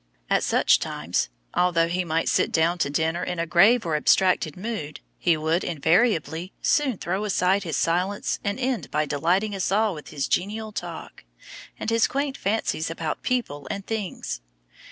At such times although he might sit down to dinner in a grave or abstracted mood, he would, invariably, soon throw aside his silence and end by delighting us all with his genial talk and his quaint fancies about people and things.